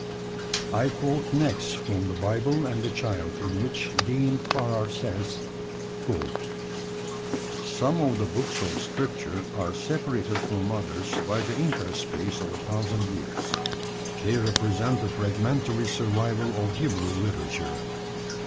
I quote next from The Bible and the Child, in which Dean Farrar says: Some of the books of Scripture are separated from others by the interspace of a thousand years. They represent the fragmentary survival of Hebrew literature.